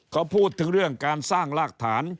เขาพูดถึงเรื่องการสร้างรากฐาน